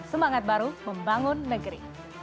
semangat baru membangun negeri